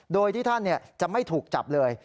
โดยที่ท่านจะไม่ถูกจับเลย